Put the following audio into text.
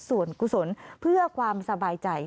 ส่วนกุศลเพื่อความสบายใจ